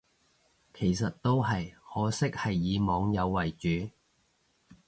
其實都係，可惜係以網友為主